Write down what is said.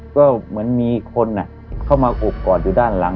ก็เหมือนมีคนเข้ามาโอบกอดอยู่ด้านหลัง